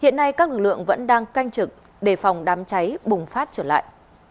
hiện nay các lực lượng vẫn đang canh trực đề phòng đám cháy bùng phát trở lại